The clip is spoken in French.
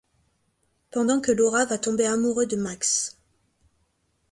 Pendant que Laura va tomber amoureux de Max.